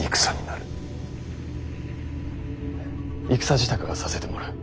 戦支度はさせてもらう。